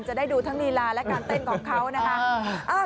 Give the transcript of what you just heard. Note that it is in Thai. จะได้ดูทั้งลีลาและการเต้นของเขานะคะ